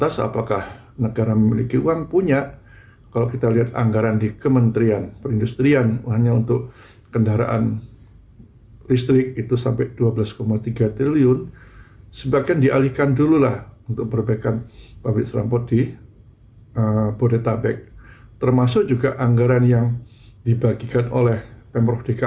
sebenarnya sejak beberapa tahun ini